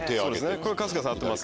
これ春日さん合ってます。